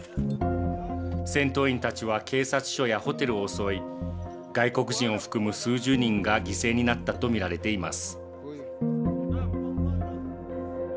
戦闘員たちは警察署やホテルを襲い外国人を含む数十人が犠牲になったとみられています。